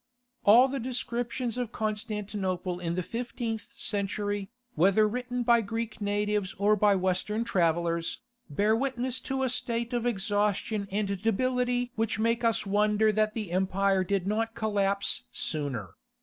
All the descriptions of Constantinople in the fifteenth century, whether written by Greek natives or by Western travellers, bear witness to a state of exhaustion and debility which make us wonder that the empire did not collapse sooner.